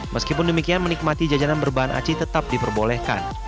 meskipun demikian menikmati jajanan berbahan aci tetap diperbolehkan